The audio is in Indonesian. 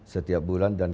setiap bulan saja